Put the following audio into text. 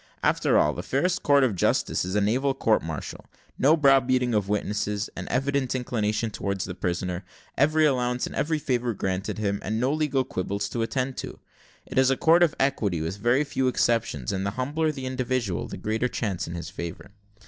After all, the fairest court of justice is a naval court martial no brow beating of witnesses, an evident inclination towards the prisoner every allowance and every favour granted him, and no legal quibbles attended to. It is a court of equity, with very few exceptions; and the humbler the individual, the greater the chance in his favour.